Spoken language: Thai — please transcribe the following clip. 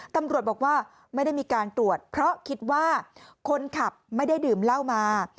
ตำรวจบอกว่าไม่ได้มีการตรวจเพราะคิดว่าคนขับไม่ได้ดื่มเหล้ามา